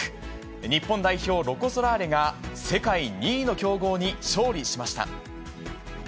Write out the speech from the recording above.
日本代表、ロコ・ソラーレが世界２位の強豪に勝利しました。